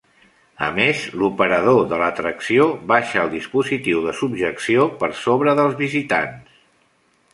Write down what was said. A més, l'operador de l'atracció baixa el dispositiu de subjecció per sobre dels visitants.